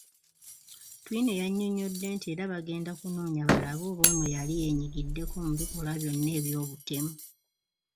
Twine yannyonnyodde nti era bagenda kunoonya balabe oba ono yali yeenyigiddeko mu bikolwa byonna eby'obutemu.